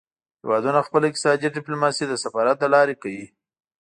هیوادونه خپله اقتصادي ډیپلوماسي د سفارت له لارې کوي